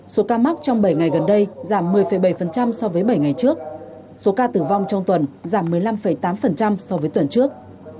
số ca mắc trong bảy ngày gần đây giảm một mươi bảy so với bảy ngày trước số ca tử vong trong tuần giảm một mươi năm tám so với tuần trước